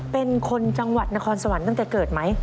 เป็นคนจังหวัดนครสวรรค์ตั้งแต่เกิดไหม